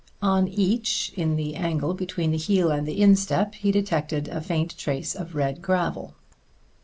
On each, in the angle between the heel and the instep, he detected a faint trace of red gravel.